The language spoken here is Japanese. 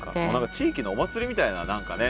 地域のお祭りみたいな何かね